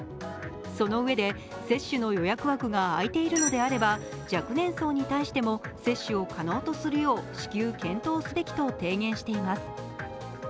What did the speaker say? そのうえで、接種の予約枠が空いているのであれば若年層に対しても接種を可能とするよう至急、検討すべきと提言しています。